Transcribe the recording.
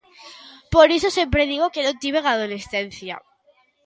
Por iso sempre digo que non tiven adolescencia.